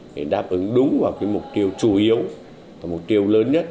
để đáp ứng đúng vào mục tiêu chủ yếu